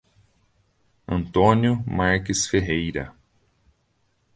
Antônio Marques Ferreira